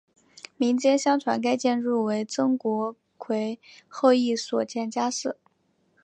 民间相传该建筑为曾国荃后裔所建家祠。